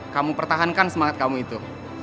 kamu pertahankan semangat kamu itu